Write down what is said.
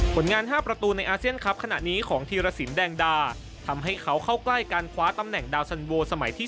ผลงาน๕ประตูในอาเซียนครับขณะนี้ของธีรสินแดงดาทำให้เขาเข้าใกล้การคว้าตำแหน่งดาวสันโวสมัยที่